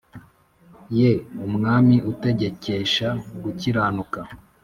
Ye umwami utegekesha gukiranuka